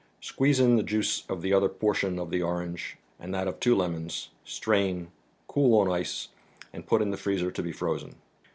Squeeze in the juice of the other portion of the orange and that of two lemons, strain, cool on ice, and put in the freezer to be frozen.